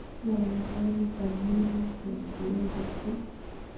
walaani kamili wa kuweza ku